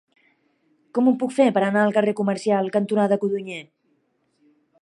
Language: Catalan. Com ho puc fer per anar al carrer Comercial cantonada Codonyer?